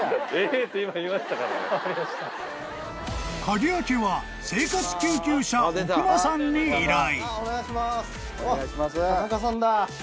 ［鍵開けは生活救急車奥間さんに依頼］